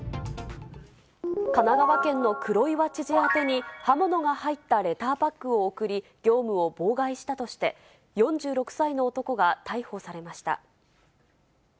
神奈川県の黒岩知事宛てに、刃物が入ったレターパックを送り、業務を妨害したとして、４６歳の男が逮捕されました。